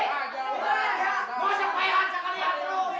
namun bagaimanapun apa yang balafannya